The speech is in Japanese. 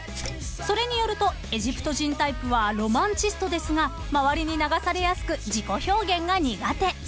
［それによるとエジプト人タイプはロマンチストですが周りに流されやすく自己表現が苦手］